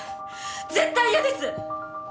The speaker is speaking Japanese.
絶対嫌です！